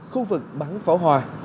khu vực bắn pháo hoa